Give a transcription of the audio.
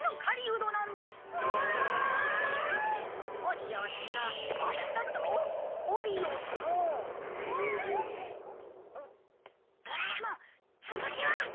ドラえもん続きは？